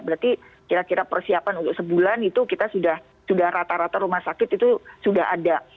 berarti kira kira persiapan untuk sebulan itu kita sudah rata rata rumah sakit itu sudah ada